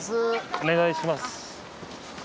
お願いします。